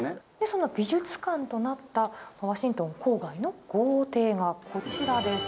その美術館となったワシントン郊外の豪邸がこちらです。